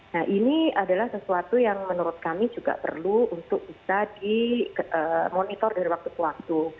nah ini adalah sesuatu yang menurut kami juga perlu untuk bisa dimonitor dari waktu ke waktu